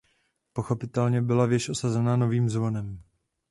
Pochopitelně byla věž osazena novým zvonem.